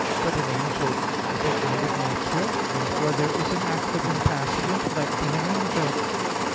But an angel is a kind of nature. Therefore there is an active and a passive intellect in an angel.